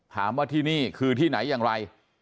ถามว่าที่นี่คือที่ไหนอย่างไร